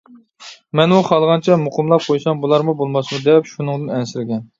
مەنمۇ خالىغانچە مۇقىملاپ قويسام بولارمۇ بولماسمۇ دەپ شۇنىڭدىن ئەنسىرىگەن.